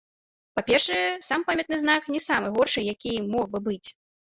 Па-першае, сам памятны знак не самы горшы, які мог бы быць.